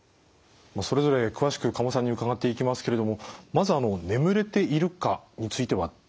それぞれ詳しく加茂さんに伺っていきますけれどもまずは「眠れているか？」についてはどうでしょう？